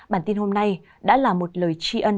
bản tin hôm nay đã là một lời tri ân